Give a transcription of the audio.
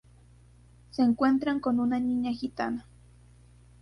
Se encuentran con una niña gitana.